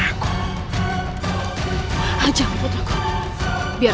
ibu pun mikir